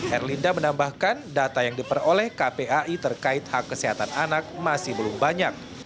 erlinda menambahkan data yang diperoleh kpai terkait hak kesehatan anak masih belum banyak